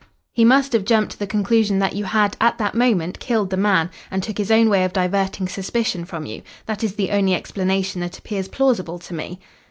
He must have jumped to the conclusion that you had at that moment killed the man, and took his own way of diverting suspicion from you. That is the only explanation that appears plausible to me."